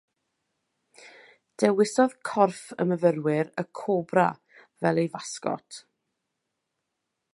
Dewisodd corff y myfyrwyr y Cobra fel ei fasgot.